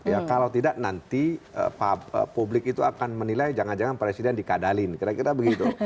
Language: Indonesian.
ya kalau tidak nanti publik itu akan menilai jangan jangan presiden dikadalin kira kira begitu